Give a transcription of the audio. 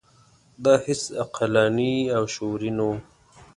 دا هیڅ عقلاني او شعوري نه وه.